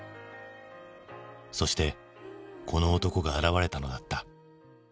そしてこの男が現れたのだった。